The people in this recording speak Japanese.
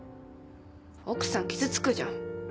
奥さん傷つくじゃん。